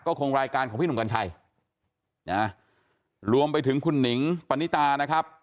คงรายการของพี่หนุ่มกัญชัยนะรวมไปถึงคุณหนิงปณิตานะครับ